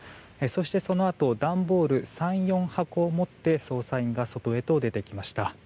そして、そのあと段ボール３４箱を持って捜査員が外へと出てきました。